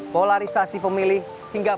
polarisasi pemilih hingga